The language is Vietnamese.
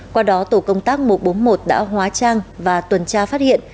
qua đó tổ công tác một trăm bốn mươi một đã hóa trang và tuần tra phát hiện